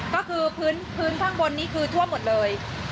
ก็คือพื้นข้างบนนี้คือท่วมหมดเลย